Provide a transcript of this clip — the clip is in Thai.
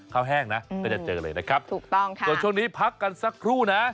ข้าวแห้งนะก็จะเจอกันเลยนะครับตอนช่วงนี้พักกันสักครู่นะถูกต้องค่ะ